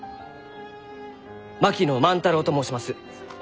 槙野万太郎と申します。